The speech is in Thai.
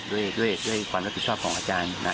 ด้วยความรับผิดชอบของอาจารย์นะ